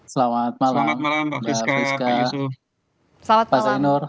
selamat malam pak fisca pak yusuf